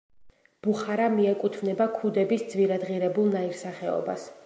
ბუხარა მიეკუთვნება ქუდების ძვირადღირებულ ნაირსახეობას.